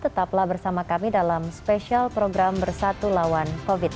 tetaplah bersama kami dalam spesial program bersatu lawan covid sembilan belas